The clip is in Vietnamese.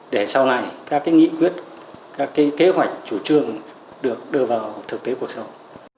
để sau này các cái nghĩ quyết các cái kế hoạch chủ trương được đưa vào thực tế cuộc sống